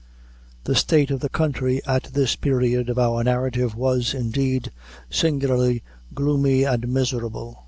The state of the country at this period of our narrative was, indeed, singularly gloomy and miserable.